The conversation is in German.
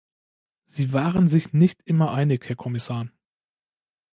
Sie waren sich nicht immer einig, Herr Kommissar.